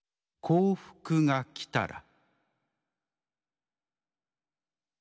「『幸福』がきたら」。